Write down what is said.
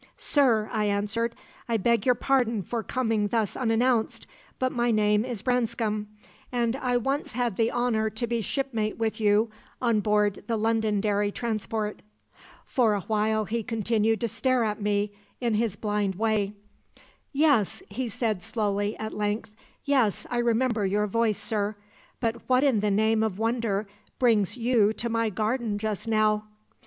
"' Sir,' I answered, 'I beg your pardon for coming thus unannounced, but my name is Branscome, and I had once the honour to be shipmate with you on board the Londonderry transport.' "For a while he continued to stare at me in his blind way. "'Yes,' he said slowly, at length; 'yes; I remember your voice, sir. But what in the name of wonder brings you to my garden just now?'